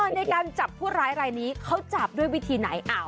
ในการจับผู้ร้ายรายนี้เขาจับด้วยวิธีไหน